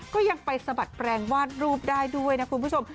ก็ยังไปสะบัดแปลงวาดรูปได้ด้วยนะคุณผู้ชม